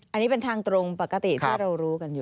อันนี้เป็นทางตรงปกติที่เรารู้กันอยู่